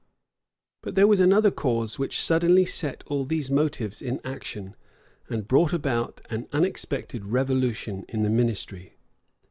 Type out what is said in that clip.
But there was another cause which suddenly set all these motives in action, and brought about an unexpected revolution in the ministry.